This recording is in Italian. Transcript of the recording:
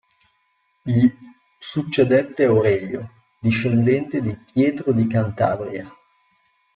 Gli succedette Aurelio, discendente di Pietro di Cantabria.